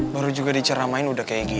baru juga diceramain udah kayak gini